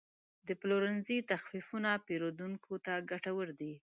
د پلورنځي تخفیفونه پیرودونکو ته ګټور دي.